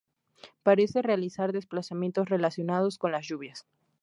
Parece realizar desplazamientos relacionados con las lluvias.